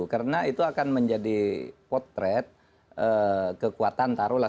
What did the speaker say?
karena itu akan menjadi potret kekuatan taruhlah